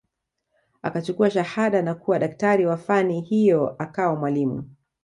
Akachukua shahada na kuwa daktari wa fani hiyo akawa mwalimu